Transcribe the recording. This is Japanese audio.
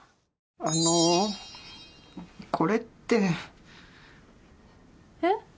あのこれって。えっ？